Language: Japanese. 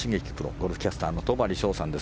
ゴルフキャスターの戸張捷さんです。